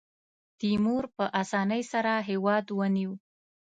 تیمور په اسانۍ سره هېواد ونیو.